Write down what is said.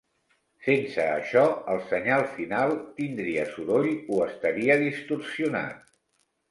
Sense això, el senyal final tindria soroll o estaria distorsionat.